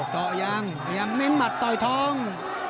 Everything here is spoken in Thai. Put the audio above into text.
ตอบต่อยังมันวิ้มมาตร้อยท้อง